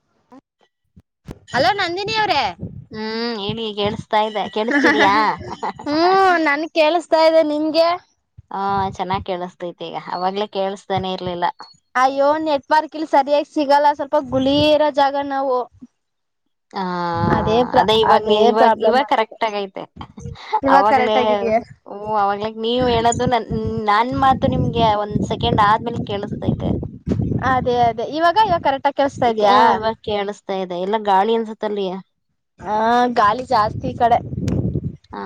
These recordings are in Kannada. ಹ ಅಲೋ ನಂದಿನಿ ಅವ್ರೆ ಹ್ಮ್ ಹೇಳಿ ಕೇಳಸ್ತಾ ಇದ್ದ ಕೇಳಿಸತಿದಯಾ ತ ಇದೆ ನಿಂಗೆ ಹಾ ಚೆನ್ನಾಗಿ್ ಕೇಳಿಸತೈತಿ ಈಗ ಅವಾಗ್ಲೇ ಕೇಳಿಸ್ದಾನೆ ಇರ್ಲಿಲ್ಲ ಅಯ್ಯೋ ನೆಟ್ವರ್ಕ್ ಇಲ್ ಸರಿಯಾಗಿ ಸಿಗಲ್ಲ ಸ್ವಲ್ಪ ಗುಳಿ ಇರೋ ಜಾಗ ನಾವು ಹ ಪ್ರ ಅದೇ ಇವಾಗ ಇವಾಗ ಪ್ರಾಬ್ಲಮ್ ಇವಾಗ ಆಗಿದೆ ಕರೆಕ್ಟ್ ಆಗೈತೆ ಇವಾಗ ಅವಾಗ್ಲೇ ಕರೆಕ್ಟ್ ಆಗಿದಯಾ ಓ ಅವಾಗ್ಲ ನೀವ ಹೇಳದು ನನ್ ನನ್ ಮಾತು ನಿಮ್ಗೆ ಒಂದ್ ಸೆಕೆಂಡ್ ಆದ್ಮೇಲ್ ಕೇಳಸ್ ಸೈತೆ ಅದೇ ಅದೇ ಇವಾಗ ಈ ಕರೆಕ್ಟ್ ಆಊ ಕೇಳಿಸತಾ ಇದ್ಯಾಾ ಆಗ್ತ ಇದೆ ಎಲ್ಲ ಗಾಳಿ ಅನ್ಸುತ್ತಲ್ಯ ಹಾ ಗಾಳಿ ಜಾಸ್ತಿ ಈ ಕಡೆ ಆ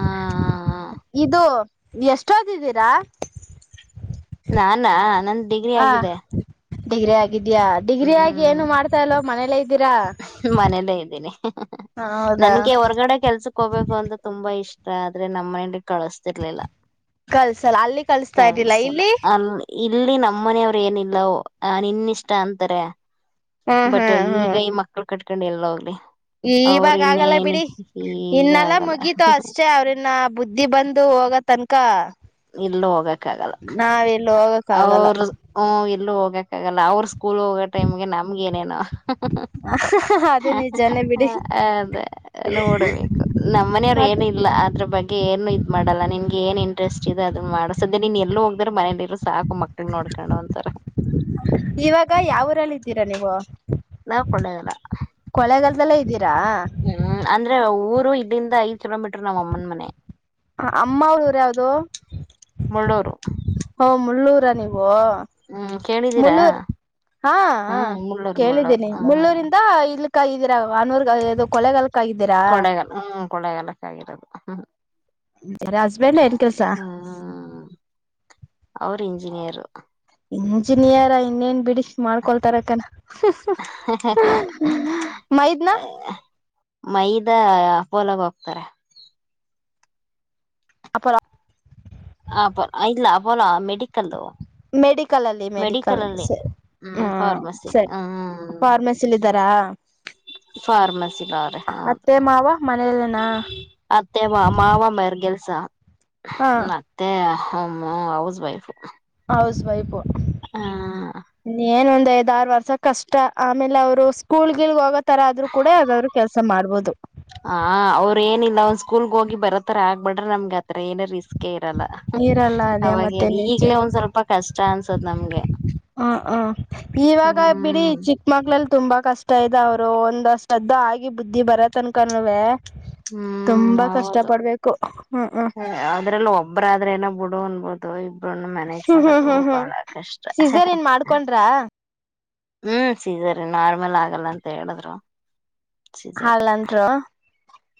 ಇದು ಎಷ್ಟೊದಿದ್ದೀರಿ ದಾ [inaudible] ಡಿಗ್ರಿ ಆಗಿದೆ ಗ್ರ ಿದ್ಯಾಾ ಡಿಗ್ರಿ ಆಗ ಹ್ಮ್ ಏನು ಮಾಡ್ತಾ ಇಲ್ವ ಮನಲಐ ಮನೇಲ್ಲೇ ಇದ್ದೀನಿ ಹೌದಾ ನನ್ಗೆ ಹೊರಗಡೆ ಕೆಲ್ಸಕ್ ಹೋಗ್ಬೇಕು ಅಂತ ತುಂಬಾ ಇಷ್ಟ ಮ ಆದ್ರೆ ನಮ್ಮಂಡ ಕಳಸ್ತಿರ್ಲಿಲ್ಲ ಕಳ್ಸಲ್ಲ ಅಲ್ಲಿ ಕಳ್ಸ್ತಾ ಇದ್ದಿಲ್ಲ ಕಳಿಸತಿಲ್ಲ ಇಲ್ಲಿ ಅಲ್ಲಿ ಇಲ್ಲಿ ನಮ್ಮನೆಯವ್ರ ಏನಿಲ್ಲ ಅ ನಿನ್ ಇಷ್ಟ ಅಂತಾರೆ ಹ್ಮ್ ಬಟ್ ಹ್ಮ್ ಈಗ ಹ್ಮ್ ಈ ಮಕ್ಳ ಕಟ್ ಕಂಡಿ ಎಲ್ಲ ಹೋಗ್ಲಿ ಅವರು ಇವಾಗ ಆಗಲ್ಲ ಇನ್ನೇನಿ ಬಿಡಿ ಈಗ ಇನ್ನೆಲ್ಲ ಆಗಲ್ಲ ಮುಗಿತು ಅಷ್ಟೇ ಅವ್ರನ್ನ ಬುದ್ಧಿ ಬಂದು ಇದು ಹಾಗ ತನಕ ನಾವ ಎಲ್ಲ ಹೋಗ ಹ್ಮ್ಮ್. ಎಲ್ಲೂ ಹೋಗಕಾಗಲ್ಲ ಅವ್ರರು ಸ್ಕೂಲ್ ಹೋಗೋ ಟೈಮ್ಗೆ ನಮ್ಗ ಏನೇನ ಅದು ನಿಜಾನೇ ಬಿಡಿ ಅದೇ ನೋಡ್ಬೇಕು ನಮ್ಮ ಮನೆಯವ್ರ ಮತ್ ಏನು ಇಲ್ಲ ಅದ್ರ ಬಗ್ಗೆ ಏನು ಮಾಡಲ್ಲಾ ನಿನ್ಗೆ ಏನ್ ಇಂಟ್ರೆಸ್ಟ್ ಇದು ಅದು ಮಾಡ್ಸದೆ ನೀನ್ ಎಲ್ಲೂ ಹೋಗದ್ದೆ ಮನೇಲಿ ಇರು ಸಾಕು ಮಕ್ಳ ನೋಡ್ಕೊಂಡು ಅಂತಾರ ತೀರ ನೀವು ನಾವವುಕೊಂಡವಲ್ಲ ಕೊಳೆಗಾಲದೆಲ್ಲೇ ಇದ್ದೀರಾ ರು ಇಲ್ಲಿಂದ ಐದ ಕಿಲೋಮೀಟ್ರರ್ ನಮ್ಮ್ ಅಮ್ಮನ ಮನೆ ಅಮ್ಮವರುರು ಯಾವ್ದು ಮುಳ್ಳೂರು ಹ ಮುಳ್ಳೂರು ರ ನಿವ ಹ್ಮ್ ಕೇಳಿದೀರಾ ಮುಳ್ಳೂರ್ ಹಾ ಹ್ಮ್ ಮುಳ್ಳೂರ್ ಮುಳ್ಳೂರ್ ಕೇಳಿದ್ದೀನಿ ಹ್ಮ್ ಮುಳ್ಳೂರಿಂದ ಇ ಇದರ ಆನೂರ್ದು ಕೊಲೆಗಳ ಕೊಳೆಗಾಲ ಹ್ಮ್ ಕೊಳೆಗಾಲಕ್ಕ ಆಗಿರೋದು ಹಾ ರ ಹಸ್ಬಂಡ್ ಎನ ಕೆಸ ಹ್ಮ್ ಅವರು ಇಂಜಿನಿಯರ್ ಇಂಜಿನಿಯರ್ ಇನ್ನೇನ್ ಬಿಡಿ ಮಾಡ್ಕೊಳ್ತಾರಕ್ಕನ ಮೈದ್ನ ಮೈದ ಪೋಲಾಗ ಹೋಗ್ತಾರೆ ಅಪರ ಹ ಇಲ್ಲಬಲಾ ಮೆಡಿಕಲ್ ಮೆಡಿ ಮೆಡಿಕಲ್ ಅಲ್ಲಿ ಹ್ಮ್ ಫಾರ್ಮಸಿಲಿ ಹ್ಮ್ ಫಾರ್ಮಸಿಲಿ ಇದ್ದಾರಾ ಫಾರ್ಮಸಿಲ್ರೆ ಹೌದು ಅತ್ತೆ ಮಾವ ಮನೇಲೆನಾ ಮತ್ತೆ ಮಾವ ಮರ್ಗೆಲ್ ಹಾ ಹ್ಮ್ಮ್. ಮತ್ತೆ ಹ ಹೌಸ್ ವೈಫು ಹೌಸ್ ವೈಫು ನ್ ಒಂದು ಐದ್ಾರು ವರ್ಷ ಕಷ್ಟ ಆಮೇಲೆ ಅವ್ರು ಸ್ಕೂಲ್ ಗಿಲ್ ಹೋಗ ತರ ಆದ್ರರು ಕೂಡ ಯಾವಾದ್ರು ಕೆಲ್ಸ ಮಾಡ್ಬೋದು ಹ ಆರ ಆಗ್ಬಡ್ರ ನಮ್ ಹತ್ರ ಏನ ರಿಸ್ಕ್ ಅೆ ಇರಲ್ಲ ಇರಲ್ಲ ಅದೇ ಅವಾಗೇ ಮತ್ತೆ ನಿಜ ಈಗ್ಲೇ ಒಂದ್ ಸ್ವಲ್ಪ ಕಷ್ಟ ಅನ್ಸದ ನಮ್ಗೆ ಹ ಹ ಇವಾಗ ಬಿಡಿ ಹ್ಮ್ ಚಿಕ್ಕಮಗ್ಳ ತುಂಬಾ ಕಷ್ಟ ಇದ್ದ ಅವ್ರು ಒಂದ್ಷ್ಟದ್ದ ಆಗಿ ಬುದ್ಧಿ ಬರತ್ ಅನ್ಕೊಂಡವವೆ ಹ್ಮ್ ಹೌದು ಹ್ಮ್ ಹ್ಮ್ ಅದ್ರಲ್ಲ ಒಬ್ಬರಾದ್ರೆ ಏನ ಬಿಡು ಅನ್ಬೋದು ಾಯ ಮ್ಯಾನೇಜ್ ಹ್ಮ್ ಹ್ಮ್ ಮಾಡೋದು ಹ್ಮ್ ಹ್ಮ್ ಬಹಳ ಕಷ್ಟ ಸಿಸರ್ ಏನ್ ಮಾಡ್ಕೊಂಡ್ರಾ ಹ್ಮ್ ಸೀಸನ್ ನಾರ್ಮಲ್ ಆಗಲ್ಲ ಅಂತ ಹೇಳಿದ್ರು ಸೀಸರಿ ಆಲ್ ಅಂದ್ರು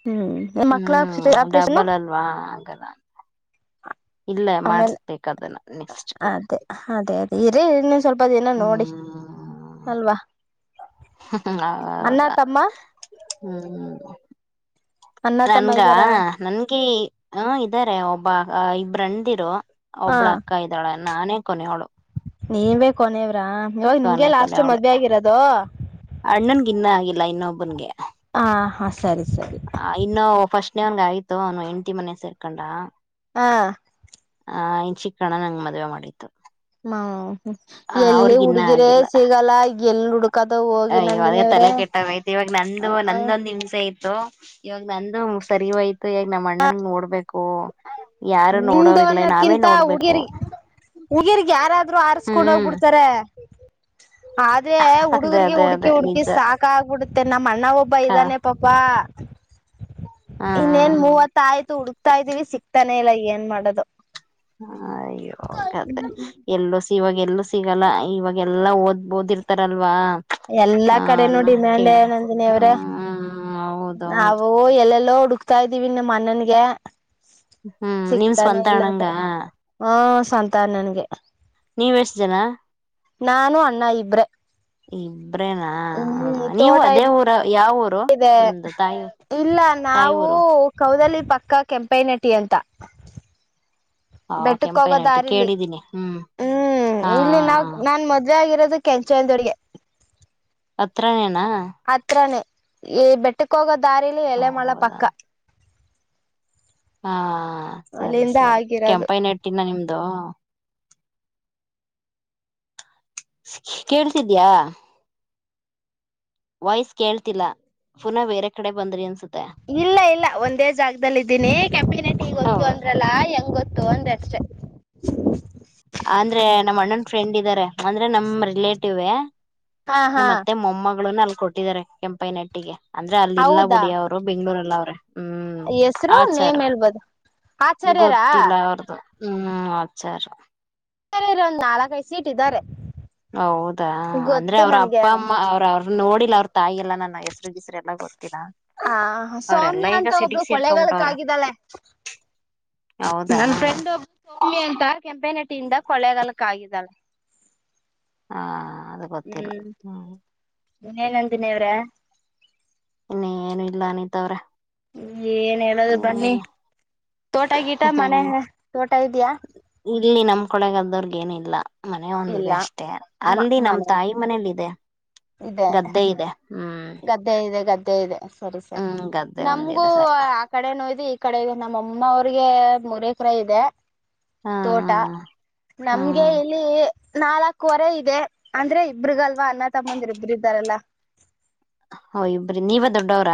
ಹ್ಮ್ ಎ ಕಲೇಶನು [inaudible] ಕದ ಇಲ್ಲ ಆಮೇಲೆ ಮಾಡಸ್ಬೇಕದನ್ನು ನೆಕ್ಸ್ಟ್ ಈರ ಸ್ವಲ್ಪದೇನ ನೋಡಿ ಹ್ಮ್ ಅಲ್ವಾ ಅ್ಣ ಹೌದಾ ತಮ್ಮ ಹ್ಮ್ ಅಣ್ಣ ತಮ್ಮ ನನ್ಗ ಇದ್ದಾರ ನನ್ಗೆ ಹ ಇದ್ದಾರೆ ಒಬ್ಬ ಬ್ರಂದಿರೋ ಹಾ ಒಬ್ಳ ಅಕ್ಕ ಇದ್ದಾಳ ನಾನೇ ಕೊನೋಳು ನೀವೇ ಕೊನೆ ಇವಾಗ ಕೊನೆ ನಿಮ್ಗೆಲ್ಲ ಅಾಷ್ಟು ಕೊನೆಯವಳು ಮದುವೆ ಆಗಿರೋದು ಬಂದಗೆ ಹ ಹಾ ಸರಿ ಸರಿ ವನ್ಗ ಆಯತು ಅವನು ಎಂಟಿ ಮನೆ ಸೇರ್ಕೊಂಡ ಹಾ ಆ ಇನ್ ಚಿಕ್ಕಣ ನಂಗ್ ಮದ್ವೆ ಮಾಡಿತ್ತು ಹ್ಮ ಆ ಎಲ್ಲಿ ಅವ್ರಗ ಹುಡುಗಿರ ಸಿಗಲ್ಲ ಎಲ್ಲ ಅ ಇವಾಗ ತಲೆ ಕೆಟ್ಟಾಗಯ್ತು ಇವಾಗ ನಂದು ನಂದೊಂದ್ ಹಿ್ಸೆ ಇತತ್ತು ಇವಾಗ ನಂದು ಸರಿವಯ್ತು ಇವಾಗ ನಮ್ಮ್ ಅಣ್ಣನ್ ನೋಡ್ಬೇಕು ಯಾರು ನಿ್ದ ನೋಡೋರಿಲ್ಲ ನಾವೇ ಅನ್ನಕ್ಕಿಂತ ನೋಡ್ಬೇಕು ಹುಡುಗಿಯರಿಗೆ ಹುಡುಗಿಯರಿಗೆ ಯಾರಾದ್ರರು ಆರ್ಸ್ಕೊಂಡ ಹ್ಮ್ ಹೋಗ್ಬಿಡ್ತಾರ ಆದ್ರೆ ಅದೇ ಹುಡುಗರ್ಗೆ ಅದೇ ಹುಡ್ಕಿ ಅದೇ ಹುಡ್ಕಿ ನಿಜ ಸಾಕ ಆಗ್ಬಿಡ್ ಹ್ಮ್ಮ್. ಅಣ್ಣ ಒಬ್ಬ ಕ ಇದ್ದಾನೆ ಪಾಪಾ ಹ ಹ್ಮ್ ಹ್ಮ್ ಇನ್ನೇನ್ ಮೂವತ್ತ ಆಯ್ತು ಹುಡುಕ್ತಾ ಇದೀವಿ ಸಿಗ್ತಾ ಮನೆಯಲ್ಲಿ ಏನ್ ಮಾಡೋದು ಅಯ್ಯೋ.... ಕಥೆ ಎಲ್ಲೂ ಇವಾಗೆಲ್ಲ... ಸಿಗಲ್ಲ... ಇವಾಗ ಎಲ್ಲಾ ಓದ್ ಬ್ದಿರ್ತಾರಲ್ವಾ ಎಲ್ಲಾ ಕಡೆನುೂ ಡಿಮ್ಯಾಂಡ ನಂದಿನಿ ಅವ್ರ.... ಹ್ಮ್ ಹೌದೌದು ನಾವು ಎಲ್ಲಲ್ಲೋ ಹುಡು ಹುಡುಕ್ತಾ ಇದೀವಿ ನಿಮ್ಮ ಅಣ್ಣನ್ಗೆ ಹ್ಮ್ ನೀವ್ ಸ್ವಂತ ಅಣಂಗ ಸಂತ ಅಣ್ಣ ನನ್ಗೆ ನೀವ್ ಎಷ್ಟ್ ಜನ ನಾನು ಅಣ್ಣ ಇಬ್ರೆ ಇಬ್ರೇನಾ.... ಹ್ಮ್ ನೀವು ತೋಟ ಅದೇ ಊರು ಯಾವ ಇದೆ. ನಿಮ್ದು ತಾಯಿ ಇಲ್ಲ ತಾಯಿ ನಾವು ಊರು ಕೌಲಿ ಪಕ್ಕಾ ಕೆಂಪೇ ನಟಿ ಅಂತ ಹ ಬೆಟ್ಟಕ್ ಕೆಂಪೈನಟ್ಟಿ ಹೋಗೋದಾರಿಲಿ ಕೇಳಿದ್ದೀನಿ ಹ್ಮ್ ಹ್ಮ್... ಹಾ ಇಲ್ಲಿ ನಾವ ನಾನ್ ಮೊದ್ಲೆ ಆಗಿರೋ ಕೆಂಚಾಯದಡಿಗೆ [unintelligible] ಅತ್ರ... ನು ಅತ್ರನೆೇ. ಏ ಬೆಟ್ಟಕ್ ಹೋಗದ ದಾರಲಿ ಎಲೆಮಳ ಹೌದಾ ಪಕ್ಕ ಹಾ.... ಸರಿ ಅಲ್ಲಿಂದ ಸರಿ ಆಗಿರೋದು ಕೆಂಪ ನೆಟ್ಟಿನ ನಿಮ್ದ ಹೌದಾ... ಕೇಳ್ತಿದ್ಯಾ..... ವಾಯ್ಸ್ ಕೇಳ್ತಿಲ್ಲಾ.... ಪುನ ಬೇರೆ ಕಡೆ ಬಂದ್ರಿ ಅನ್ಸುತ್ತ ಇಲ್ಲ ಇಲ್ಲ ಒಂದೇ ಜಾಗದದಲ್ಲಿ ಇದೀನಿ ಕೆಪ್ಯುನಿಟಿ ಗೊತ್ತುತ್ತು ಅಂದ್ರಲ್ಲ ಹೆಂಗ್ ಗೊತ್ತು ಗೊತ್ತು ಅಂದೆ ಅಷ್ಟೆ ಅಂದ್ರೆ ನಮ್ಮ್ ಅಣ್ಣನ್ ಫ್ರೆಂಡ್ ಇದ್ದಾರೆ ಅಂದ್ರೆ ನಮ ರಿಲೇಟಿವೆ ಹಾ ನಮ್ಮ ಹಾ ಮತ್ತೆ ಮೊಮ್ಮಗಳುಲ್ ಕೊಟ್ಟಿದ್ದಾರೆ ಕೆಂಪೈ ನಟ್ಟಿಗೆ ಅಂದ್ರೆ ಅಲ್ಲಿ ಹೌದಾ ಇಲ್ಲಾುಡಿ ಅವರು ಬೆಂಗಳೂರಲ್ಲಿ ಎಲ್ಲ ಅವ್ರೆ... ಹ್ಮ್ ಹೆಸರು ಆಚಾರ್ ನೇಮ್ ಹೇಳ್ಬೋದು ಆಚಾರ್ಯರ ಗೊತ್ತಿಲ್ಲ ಅವ್ರದು ಹ್ಮ್ ಆವಚಾರ ಒಂದ್ ನಾಲ್ಕ ಸೀಟ್ ಇಟ್ಟಾರೆ ಹೌದಾ ಅಂದ್ರೆ ಅವ್ರ ಅಪ್ಪ ಅಮ್ಮ ಅವ್ರ ಅವ್ರ ನೋಡಿ ಲ ತಾಯಿ ಎಲ್ಲ ನನ್ನ ಹೆಸರುಗಿಸರುಎಲ್ಲ ಗೊತ್ತಿಲ ಆ ಅವ್ರೆಲ್ಲಾ ಸೌಮ್ಯ ಈಗ ಅಂತ ಒಬ್ಳು ಸಿಟಿಗಿ ಸೇರ್ಕೊಬಿಟ್ಟ ಕೊಳ್ಳೇಗಾಲಕ್ ಅವ್ರ ಆಗಿದ್ದಾಳೆ ಹೌದಾ ಭೂಮಿ ಅಂತ ಕೆಂಪೆನಟ್ಟಿಯಿಂದ ಕೊಳೆಗಾಲಕ್ಕ ಆಗಿದ್ದಾಳೆ ಹಾ ಅದು ಗೊತ್ತಿಲ್ಲ ಹ್ಮ್ ನೀನಂದಿನಿ ಅವರೇ ಏನು ಇಲ್ಲ ಅನಿತವ್ರೆ ಏನ್ ಹೇಳದು ಬನ್ನಿ ತೋಟ ಗಿಟ ಹ್ಮ್ ಮನೆ ತೋಟ ಇದ್ಯಾ ಇಲ್ಲಿ ನಮ್ ಕೊಳಗದವರ್ಗ ಏನು ಇಲ್ಲ ಮನೆ ಇಲ್ಲ ಒಂದಿದೆ ಅಷ್ಟೇ ಮ ಅಲ್ಲಿ ನಮ್ ಮನೆ ತಾಯಿ ಮನೇಲಿ ಇದೆ ಇದೆ ಗದ್ದೆ ಇದೆ ಹ್ಮ್ ಗದ್ದೆ ಇದೆ ಗದ್ದೆ ಇದೆ ಸರಿ ಸರ್ ಹ್ಮ್ ಗದ್ದೆ ನಮಗೂ ಒಂದಿದೆ ಸ ಆ ಕಡೆ ನೋಯ್ದು ಕಡೆಗೆ ನಮ್ಮಮ್ಮ ಅವ್ರಿಗೆ ಮೂರ ಎಕರೆ ಇದೆ ಹ ತೋಟ ಹಾ ನಮ್ಗೆ ಇಲ್ಲಿ ನಾಲ್ಕವರೆ ಇದೆ ಅಂದ್ರೆ ಇಬ್ರಗಲ್ವಾ ಅಣ್ಣ ತಮ್ಮಂದರು ಇಬರು ಇದ್ದಾರಲ್ಲ ಹೌ ಇಬ್ರಿ ನೀವ ದೊಡ್ಡವ್ರ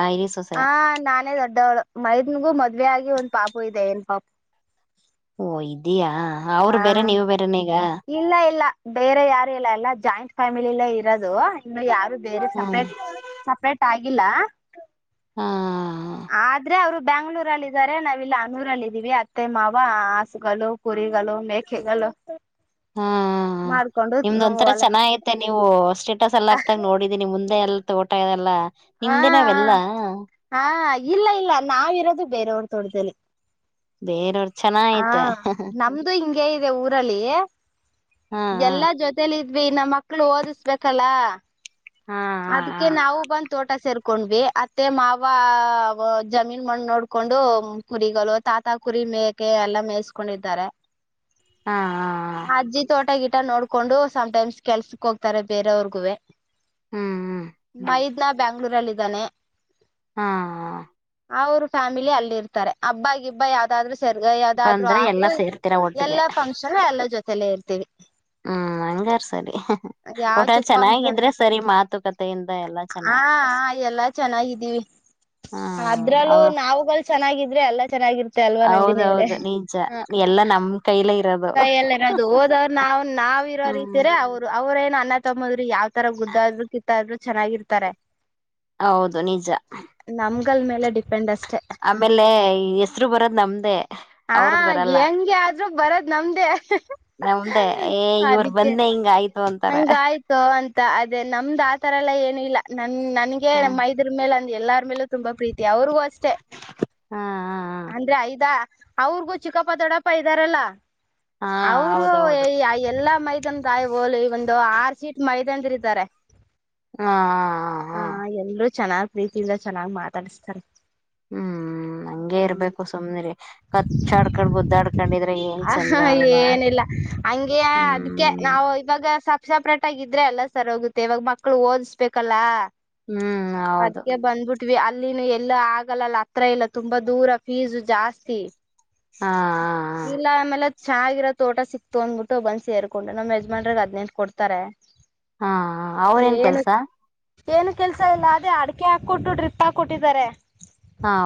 ಹ ನಾನೇ ದೊಡ್ಡವಳು ಮೈದನಗೂ ಮದ್ ಮದುವೆ ಆಗಿ ಒಂದ್ ಪಾಪ ಇದೆ ಹೆಣ್ಣ ಪಾಪು ಓ ಇದೆಯ ಹ ಅವ್ರು ಹಾ ಬೇರೆ ನೀವು ಬೇರೆ ನೀಗ ಇಲ್ಲ ಇಲ್ಲ ಬೇರೆ ಯಾರು ಇಲ್ಲ ಎಲ್ಲ ಜಾಯಿಂಟ್ ಫ್ಯಾಮಿಲಿ ಎಲ್ಲ ಇರೋದುನ್ನು ಯಾರು ಬೇರೆ ಹ್ಮ್ ಸಪ್ರೇಟ್ ಸಪ್ರೇಟ್ ಆಗಿ ಇಲ್ಲಾ ಹಾ ಆದ್ರೆ ಅವರು ಬ್ಯಾಂಗ್ಳೂರಲ್ಲ ಇದಾರೆ ನಾವ ಇಲ್ಲ ಅನೂರಲ್ಲ ಇದೀವಿ ಅತ್ತೆ ಮಾವ ಹಸುಗಳು ಕುರಿಗಳು ಮೇಕೆಗಳು ಹ್ಮ ಮಾಡ್ಕೊಂಡು ನಿಮ್ದ ಒಂತರ ಹೊಲ ಚೆನ್ನ ಐತೆ ನೀವು ಅಷ್ಟೇ ಲ್ ಆಗ್ತಾ ನೋಡೀಮ ಹಂದೆ ಎಲ್ಲ ತೋಟ ಇದೆಲ್ಲ ಹಾ ನಿಮ್ದೇ ನಾವೆಲ್ಲಾ ಹಾ ಇಲ್ಲ ಇಲ್ಲ ನಾವಿರೋದು ಬೇರೆಯವ್ರ ತೋಟದಲ್ಲಿ ಬೇರೆರ್ ಹಾ ನಮ್ದು ಹಿಂಗಗೆ ಇದೆ ಊರಲ್ಲಿ ಹಾ ಹಾ ಎಲ್ಲಾ ಜೊತಲಿ ಈಗಿನ ನ ಮಕ್ಳು ಓದಿಸ್ಬೇಕಲ್ಲ ಹಾ ಹಾ ಅದಕ್ಕೆ ಹಾ ನಾವು ಬಂತ ತೋಟ ಸೇರ್ಕೊಂಡ್ವಿ ಅತ್ತೆ ಮಾವ ಜಮೀನ್ ಮಣ ನೋಡ್ಕೊಂಡು ಕುರಿಗಳು ತಾತ ಕುರಿ ಮೇ ಎಲ್ಲ ಮೇಯಸ್ಕೊಂಡಿದ್ದಾರೆ ಹಾ ಹಾ ಹ ಊಟ ನೋಡ್ಕೊಂಡು ಸಮ್ಟೈಮ್ಸ್ ಕೆಲ್ಸಕ್ ಹೋಗ್ತಾರೆ ಬೇರವರ್ಗುವೇ ಹ್ಮ್ ಹ್ಮ್ ಮೈದನಾ ಬ್ಯಾಂ ಮಂಗಳೂರಲ್ಲಿ ಇದಿದ್ದಾನೆ ಹಾ ಅವರು ಫ್ಯಾಮಿಲಿ ಅಲ್ಲಿ ಇರ್ತಾರೆ ಹಬ್ಬಗಬ್ಬ ಯಾವ್ದಾದ್ರು ಸರ್ಗ ಯಾವ್ದಾದ್ರು ಬಂದ್ರ ಎಲ್ಲಾ ಆದ್ರೂ ಸೇರ್ತೀರಾ ಒಟ್ಟಿಗೆ ಎಲ್ಲಾ ಫಂಕ್ಷನ್ ಎಲ್ಲ ಜೊತೆ ತಲ ಇರ್ತೀವಿ ಹ್ಮ್ ಅಂಗಗೆ ಅರ್ಸರಿ ಯಾವ್ ಹಊಟಲ್ ಚೆನ್ನಾಗಿದ್ರೆ ಸರಿ ಮಾತ್ ಕತ್ತೆ ಹಾ ಎಲ್ಲಾ ಚೆನ್ನಾಗಿದ್ದೀವಿ ಹ್ಮ್ ಅದ್ರಲ್ಲೂ ಅವ ನಾವಾಗಲ್ಲ ಚೆನ್ನಾಗಿದವಿ ಎಲ್ಲ ಚನ್ನಾಗಿ ಹೌದೌದು ನಿಜ ಎಲ್ಲಾ ನಮ್ ಕೈಲ ಇ ಕೈಯಲ್ಲರದು ಹೋದೋರು ನಾವ ನಾವ ಇರೋರೋ ಹ್ಮ್ ರೀತಿರ ಅವ್ರು ಅವ್ರೇನ ಣ ತಂಬದ್ರರು ಯಾವ್ ತರ ಗುದ್ದಾದ್ರು ಕಿತ್ತಾದ್ರು ಚೆನ್ನಾಗಿರ್ತಾರೆ ಹೌದು ನಿಜ ಲ್ ಮೇಲೆ ಡಿಪೆಂಡ್ ಆಮೇಲೆ ಹೆಸರು ಬರೋದು ನಮ್ದೇ ಹಾ ಅವ್ರದ್ ಬರಲ್ಲ ಹೆಂಗೆ ಆದ್ರೂ ಬರದ್ ನಮ್ದೇ ನಮ್ದೇ ಏ ಇವ್ರ ಅದಕ್ಕೆ ಬಂದೆ ಹಿಂಗ ಆಯ್ತು ಅಂತಾರ ಹಂಗ ಆಯ್ತು ಅಂತ ಅದ ದೆ ನಮ್ದ್ ಆ ತರ ಎಲ್ಲಾ ಏನು ಇಲ್ಲ ಹ್ಮ ನನ್ಗೆ ಹ ನ ಮೈದ್ರ ಮೇಲೆ ಅ ಎಲ್ಲಾರ ಮೇಲು ತುಂಬ ಪ್ರೀತಿ ಯಾವ್ರಿಗೂ ಅಷ್ಟೆ ಹಾ ಹಾ ಅಂದ್ರೆ ಐದಾ ಅವ್ರಗೂ ಚಿಕ್ಕಪ್ಪ ದೊಡ್ಡಪ್ಪ ಇದ್ದಾರಲ್ಲಾ ಹಾ ಅವರು ಹೌದೌದು ಎಲ್ಲಾ ಮೈ ತಾಯ ಒಂದು ಆರು ಸೀಟ್ ಮೈದಾನರು ಇದಾರೆ ಹಾ ಹಾ ಹಾ ಹಾ ರೀತಿಯಿಂದ ಚೆನ್ನಾಗಿ್ ಮಾತಾಡಸ್ತಾರೆ ಹ್ಮ್ ಹಂಗಗೆ ಇರ್ಬೇಕು ಸುಮ್ನೆರಿ ಕಚ್ಚಾಡ್ಕೊಂಡ ಬುದ್ದಾಡ್ಕೊಂಡಿದ್ರೆ ಏನ್ ಚಂದ ಆಹಾ ಅಲ್ವಾ ಏನಿಲ್ಲ ಹ್ಮ್ ಸಫ ಸಪ್ರೇಟ್ ಆಗಿದ್ರೆ ಎಲ್ಲ ಸರಿ ಹೋಗುತ್ತೆ ಇವಾಗ ಮಕ್ಳು ಓದಿಸ್ಬೇಕಲ್ಲಾ ಹ್ಮ್ ಹೌದು ವಿ ಅಲ್ಲಿನ ಎಲ್ಲ ಆಗಲ್ಲಲ್ಲ ಹತ್ರ ಇಲ್ಲ ತುಂಬಾ ದೂರ ಫೀಸ್ು ಜಾಸ್ತಿ ಹಾ ಹಾ ಹ ಚೆಾಗಿರೋ ತೋಟ ಸಿಕ್ತು ಅಂದ್ಬಿಟ್ಟ ಬಂದ ಸೇರ್ಕೊಂಡು ನ ಯಜಮಾನ್ರಿಗೆ ಹದ್ೆಂು ಕೊಡ್ತಾರೆ ಹಾ ಅವ್ರೇನ್ ಏನು ಕೆಲ್ಸ ಏನು ಕೆಲ್ಸ ಇಲ್ಲ ಅದೇ ಅಡಿಕೆ ಹಾಕೊಟ್ಟು ಡ್ರಿಪ್ ಹಾಕ ಕೊಟ್ಟಿದ್ದಾರೆ ಹಾ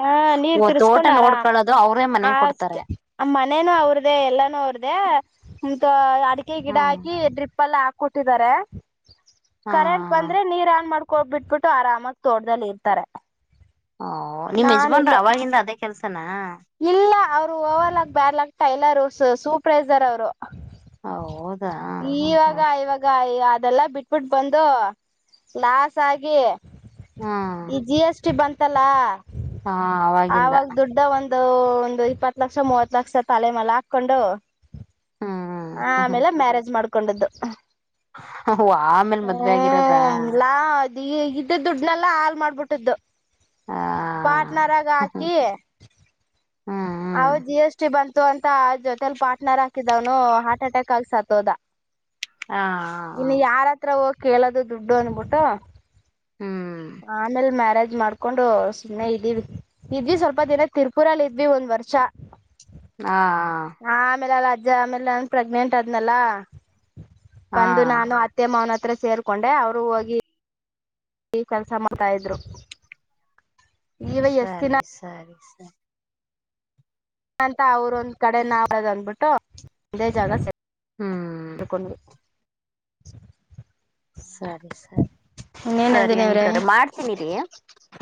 ಹ ನೀರ್ ಓ ತೋಟ ತಿರ್ಸ್ಕೊಂಡಾರಾಮ ನೋಡ್ಕೊಳ್ಳೋದು ಅವ್ರೇ ಮನೆ ಅಷ್ಟ ಕೊಡ್ತಾರೆ ನ ಮನೇನುೂ ಅವ್ರ್ದೇ ಎಲ್ಲಾನೂ ಅವ್ರ್ದೇ ಹಂತ ಅಡಿಕೆ ಹ್ಮ್ ಗಿಡಾಿ ್ರಿಪಲ್ ಹಾಕ ಕೊಟ್ಟಿದ್ದಾರೆ ಹಾ ಕರೆಂಟ್ ಬಂದ್ರೆ ನೀರ್ ಆನ್ ಮಾಡ್ಕ ಹೋಗಬ ಬಿಟ್ಬಿಟ್ಟು ಆರಾಮಾಗ ತೋರ್್ದದಲ್ಲಿ ಇರ್ತಾರೆ ಹ ನಿಮ್ ನಾನ್ ಯಜಮಾನ್ ಇಲ್ಲೇ ಅವಾಗಿಂದ ಅದೇ ಕೆಲಸನ ಇಲ್ಲ ಅವ ರು ಓವಲ್ ಬ್ಯಾಕ್ ಟೈಲರ್ ಸೂಪ್ರೈಸರ್ ಅವರು ಹೌ ಇವಾಗ ಇವಾಗ ಅದೆಲ್ಲಾ ಬಿಟ್ಬಿಟ್ಟು ಬಂದು ಲಾಸ್ ಆಗಿ ಹ್ಮ್ ಈ ಜಿ ಎಸ್ ಟಿ ಬಂತ ಇ ತಲ ಹಾ ಅವವಾಗಿಂದ ಆವಾಗ ದುಡ್ಡ ಒಂದು ಅ ಒಂದು ಇಪ್ಪತ್ತು ಲಕ್ಷ ಮೂವತ್ ಲಕ್ಷ ತಲೆಮಾಲ ಹಾಕೊಂಡು ಹ ಹ್ಮ್ ಹ್ಮ್ ಹ್ಮ್ ಆಮೇಲೆ ಮ್ಯಾರೇಜ್ ಮಾಡ್ಕ ಕೊಂಡದ್ದು ಆಮೇಲ್ ಮದ್ವೆ ಆಗಿರೋದ ಅ ಇದ ದುಡ್ನೆಲ್ಲಾ ಹಾಲ್ ಮಾಡ್ಬಿಟ್ಟ್ದು ಹ ಹ್ಮ್ ಪಾರಟ್ನರಗಕಿ ಹ್ಮ್ ಹ್ಮ್ ಅವ ಜಿ ಎಸ್ ಟ ಬಂತು ಅಂತ ಜೊತೆಲಿ ಪಾರ್ಟ್ನರ್ ಹಾಕಿದವ್ನು ಹಾರ್ಟ್ ಅಟ್ಯಾಕ್ ಆಗಸತ್ ಹೋದ ಹಾ ಹ ಇನ್ನು ಯಾರತ್ರ ಹೋಗ ಕೇಳೋದು ದುಡ್ಡು ಅನ್ಬಿಟ್ಟ ಹ್ಮ್ ಆಮೇಲೆ ಮ್ಯಾರಾಜ್ ಇದ್ ಮಾಡ್ಕೊಂಡು ಸುಮ್ಮನೆ ಇದೀವಿ ಇದ್ವಿ ಸ್ವಲ್ಪ ದಿನ ತಿರ್ಪೂರಲ್ಲಿ ಇದ್ವಿ ಒಂದ್ ವರ್ಷ ಹಾ ಹ ಜ ಆಮೇಲೆ ನಾನನ್ ಪ್ರೆಗ್ನೆಂಟ್ ಆದ್ನಲ್ಲಾ ಹಾ ಬಂದು ನಾನು ಅತ್ತೆ ಮೌನ ಹತ್ರ ಸೇರ್ಕೊಂಡೆ ಅವರು ಹೋಗಿ ಈ ಕೆಲಸ ಮಾಡ್ತಾ ಇದ್ರು ಇವ ಎಷ್ಟ್ ಸರಿ ದಿನ ಸರಿ ಹ ಅಂತ ಅವ್ರೊಂದ್ ಕಡೆ ನಾವವು ಅಂದ್ಬಿಟ್ಟು ಒಂದೇ ಜಾಗ ಸೇ ಹ್ಮ್ ಯಕೊಂಡ ಸರಿ ಸರಿ ಸರಿ ಇನ್ನೇನಂದನಿವ್ರೆ ಅನಿತವ್ರೆ ಮಾಡ್ತೀನಿ ರೀ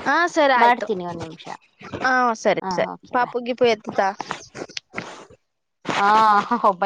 ಹಾ ಸರಿ ಆಯ್ತು ಮಾಡ್ತೀನಿ ಒಂದ್ ನಿಮಿಷ ಹಾ ಸರಿ ಹಾ ಸರಿ ಓಕೆ ಬಾಯ್ ಪಾಪುಗಿ ಪು ಎತ್ತತ ಹಾ ಹಬ